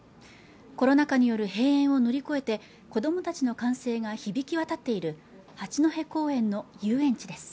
コロナ禍による閉園を乗り越えて子どもたちの歓声が響き渡っている八戸公園の遊園地です